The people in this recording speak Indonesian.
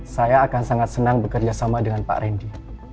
saya akan sangat senang bekerja sama dengan pak randy